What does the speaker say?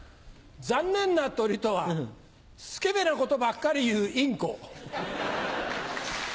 残念な鳥とはスケベなことばっかり言うインコ。